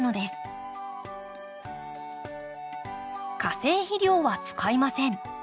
化成肥料は使いません。